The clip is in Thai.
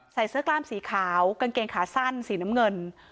เสื้อกล้ามสีขาวกางเกงขาสั้นสีน้ำเงิน